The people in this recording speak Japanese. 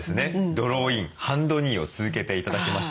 ドローインハンドニーを続けて頂きました。